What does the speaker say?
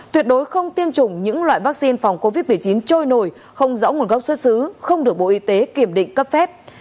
tuyệt đối không tiêm chủng những loại vaccine phòng covid một mươi chín trôi nổi không rõ nguồn gốc xuất xứ không được bộ y tế kiểm định cấp phép